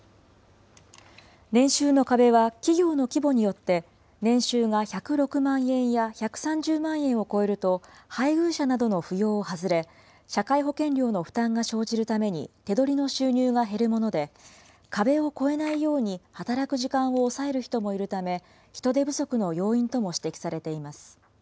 年収の壁は、企業の規模によって、年収が１０６万円や１３０万円を超えると、配偶者などの扶養を外れ、社会保険料の負担が生じるために、手取りの収入が減るもので、壁を超えないように働く時間を抑える人もいるため、人手不足の要因とも指摘されています。